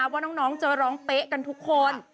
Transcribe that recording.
ว่าน้องจะร้องเป๊ะกันทุกคน